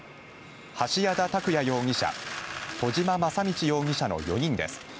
橋谷田拓也容疑者戸島正道容疑者の４人です。